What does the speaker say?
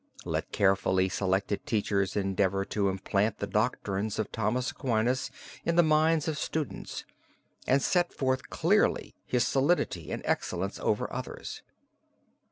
Let carefully selected teachers endeavor to implant the doctrines of Thomas Aquinas in the minds of students, and set forth clearly his solidity and excellence over others.